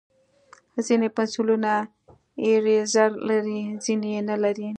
ځینې پنسلونه ایریزر لري، ځینې یې نه لري.